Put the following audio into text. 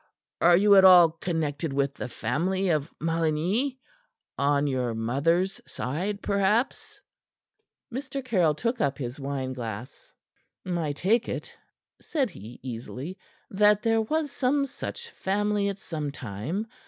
Are you at all connected with the family of Maligny? On your mother's side, perhaps?" Mr. Caryll took up his wine glass. "I take it," said he easily, "that there was some such family at some time.